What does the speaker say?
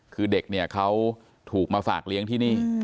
คือเด็กเนี่ยเขาถูกมาฝากเลี้ยงที่นี่